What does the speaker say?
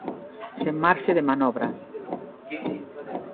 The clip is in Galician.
Sen marxe de manobra.